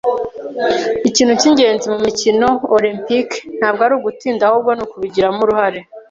Ikintu cyingenzi mumikino Olempike ntabwo ari ugutsinda ahubwo ni ukubigiramo uruhare.